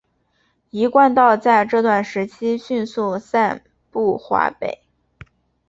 一贯道在这段时期迅速散布华北。